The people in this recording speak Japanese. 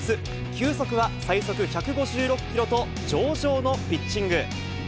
球速は最速１５６キロと、上々のピッチング。